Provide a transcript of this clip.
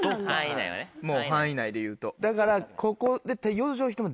もう範囲内でいうとだから。